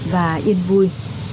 và yên vui